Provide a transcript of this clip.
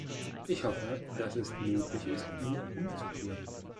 Ich hoffe, dass es möglich ist, ihn umzukehren.